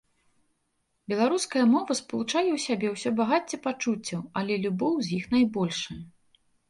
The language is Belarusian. Беларуская мова спалучае ў сабе ўсё багацце пачуццяў, але любоў з іх найбольшая.